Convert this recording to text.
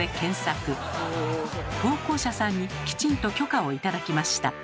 投稿者さんにきちんと許可を頂きました。